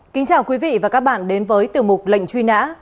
kính chào quý vị và các bạn đến với tiểu mục lệnh truy nã